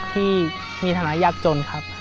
ที่มีธนายักษ์จนครับ